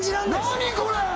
何これ！？